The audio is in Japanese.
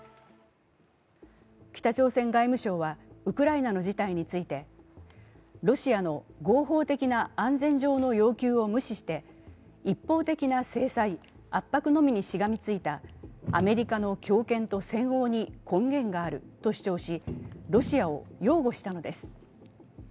北朝鮮外務省は、ウクライナの事態について、ロシアの合法的な安全上の要求を無視して一方的な制裁・圧迫のみにしがみついたアメリカの強権と専横に根源があると主張しロシアを擁護したのです。